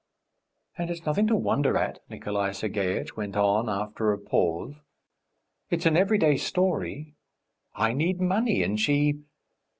"And it's nothing to wonder at," Nikolay Sergeitch went on after a pause. "It's an everyday story! I need money, and she